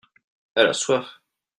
elle a soif.